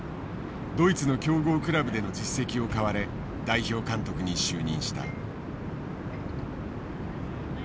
ドイツの強豪クラブでの実績を買われ代表監督に就任した。